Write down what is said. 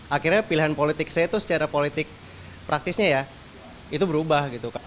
akhirnya pilihan politik saya itu secara politik praktisnya ya itu berubah gitu kak